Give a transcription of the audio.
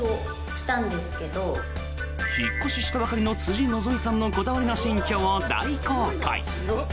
引っ越ししたばかりの辻希美さんのこだわりの新居を大公開！